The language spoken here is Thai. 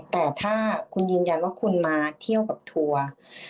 แต่ถ้าคุณยืนยันว่าคุณมาเที่ยวกับทัวร์